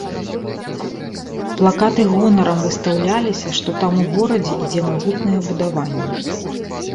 Плакаты гонарам выстаўляліся, што там у горадзе ідзе магутнае будаванне.